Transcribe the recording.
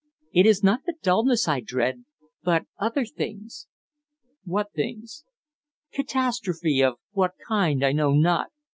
It is not the dulness I dread, but other things." "What things?" "Catastrophe of what kind, I know not.